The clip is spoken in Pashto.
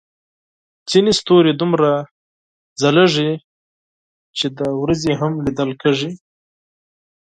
ځینې ستوري دومره روښانه دي چې د ورځې هم لیدل کېږي.